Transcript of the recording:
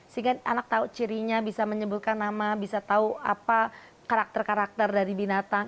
sehingga anak tahu cirinya bisa menyebutkan nama bisa tahu apa karakter karakter dari binatang